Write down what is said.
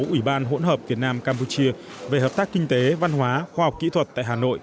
ủy ban hỗn hợp việt nam campuchia về hợp tác kinh tế văn hóa khoa học kỹ thuật tại hà nội